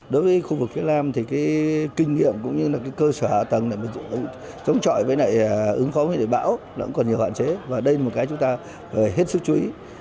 đó cũng còn nhiều hoạn chế và đây là một cái chúng ta phải hết sức chú ý